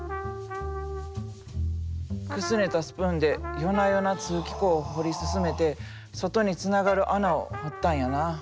くすねたスプーンで夜な夜な通気孔を掘り進めて外につながる穴を掘ったんやな。